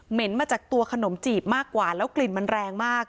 มาจากตัวขนมจีบมากกว่าแล้วกลิ่นมันแรงมาก